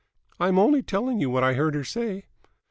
"I'm only telling you what I heard her say."